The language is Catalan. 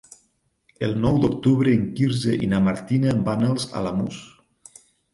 El nou d'octubre en Quirze i na Martina van als Alamús.